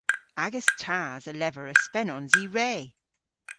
Agas tas a lever y spenons i re.